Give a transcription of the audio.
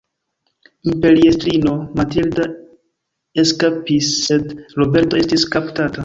Imperiestrino Matilda eskapis sed Roberto estis kaptata.